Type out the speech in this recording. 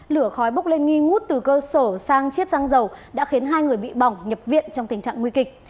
lửa khói bốc lên nghi ngút từ cơ sở sang chiết giang dầu đã khiến hai người bị bỏng nhập viện trong tình trạng nguy kịch